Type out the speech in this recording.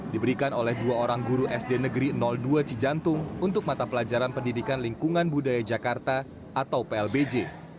diberikan oleh dua orang guru sd negeri dua cijantung untuk mata pelajaran pendidikan lingkungan budaya jakarta atau plbj